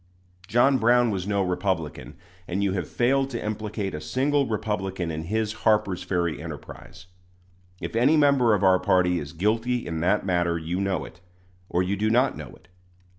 John Brown was no Republican; and you have failed to implicate a single Republican in his Harper's Ferry enterprise. If any member of our party is guilty in that matter you know it, or you do not know it.